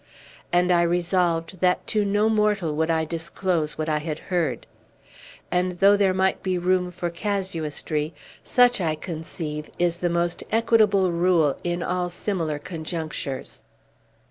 and I resolved that to no mortal would I disclose what I had heard. And, though there might be room for casuistry, such, I conceive, is the most equitable rule in all similar conjunctures.